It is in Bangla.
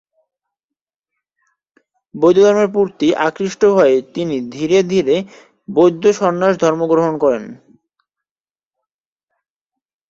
বৌদ্ধ ধর্মের প্রতি আকৃষ্ট হয়ে তিনি ধীরে ধীরে বৌদ্ধ সন্ন্যাস ধর্ম গ্রহণ করেন।